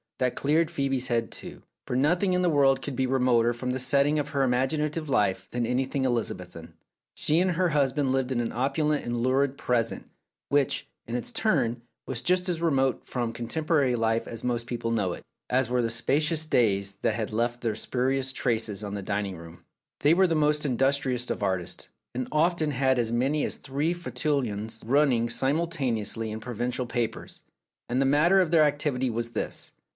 That cleared Phoebe's head, too, for nothing in the world could be remoter from the setting of her imaginative life than anything Elizabethan. She and her husband lived in an opulent and lurid present, which, in its turn, was just as remote from contemporary life as most people know it, as were the "spacious days " that had left their spurious traces on the dining room. Philip's Safety Razor They were the most industrious of artists, and often had as many as three feuilletons running simul taneously in provincial papers, and the manner of their activity was this.